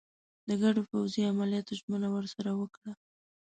د ګډو پوځي عملیاتو ژمنه ورسره وکړه.